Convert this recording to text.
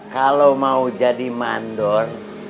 kalau mau jadi mandor